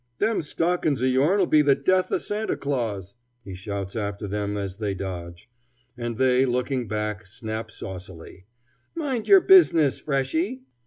"Them stockin's o' yourn'll be the death o' Santa Claus!" he shouts after them, as they dodge. And they, looking back, snap saucily, "Mind yer business, freshy!"